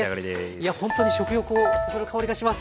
いやほんとに食欲をそそる香りがします。